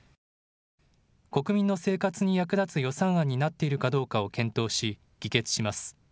国民の生活に役立つ予算案になっているかどうかを検討し、議決します。